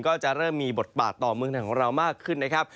ก็จะเริ่มมีบทบาทต่อเมืองไทยของเรามากขึ้นนะครับ